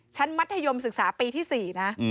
ชั้นมัธยมศึกษาปีที่๕น่ะ